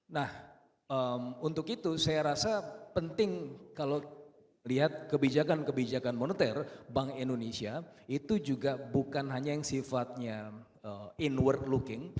nah untuk itu saya rasa penting kalau lihat kebijakan kebijakan moneter bank indonesia itu juga bukan hanya yang sifatnya inward looking